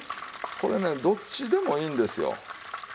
これねどっちでもいいんですよ。